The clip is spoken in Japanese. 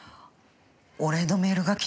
お礼のメールが来たの。